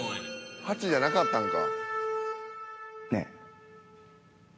８じゃなかったんか］